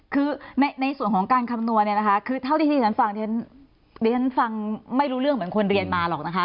คือในส่วนของการคำนวณเนี่ยนะคะคือเท่าที่ที่ฉันฟังดิฉันฟังไม่รู้เรื่องเหมือนคนเรียนมาหรอกนะคะ